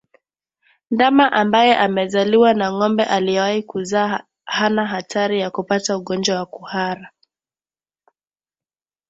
Ndama ambaye amezaliwa na ngombe aliyewahi kuzaa hana hatari ya kupata ugonjwa wa kuhara